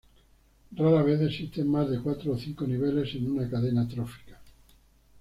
Rara vez existen más de cuatro o cinco niveles en una cadena trófica.